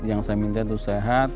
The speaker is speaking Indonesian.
yang saya minta itu sehat